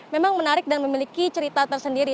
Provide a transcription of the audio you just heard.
memang menarik dan memiliki cerita tersendiri